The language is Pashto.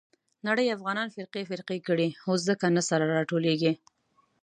نړۍ افغانان فرقې فرقې کړي. اوس ځکه نه سره راټولېږي.